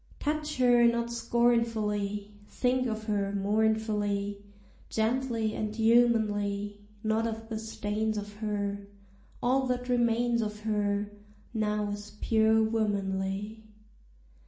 Touch her not scornfully! Think of her mournfully, Gently and humanly, Not of the stains of her; All that remains of her Now is pure womanly.